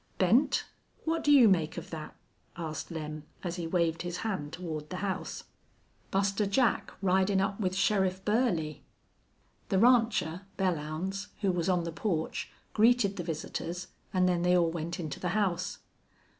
"Bent, what do you make of thet?" asked Lem, as he waved his hand toward the house. "Buster Jack ridin' up with Sheriff Burley." The rancher, Belllounds, who was on the porch, greeted the visitors, and then they all went into the house.